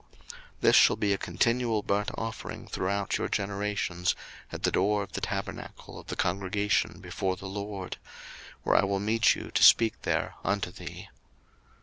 02:029:042 This shall be a continual burnt offering throughout your generations at the door of the tabernacle of the congregation before the LORD: where I will meet you, to speak there unto thee.